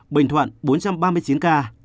bình thuận bốn trăm ba mươi chín ca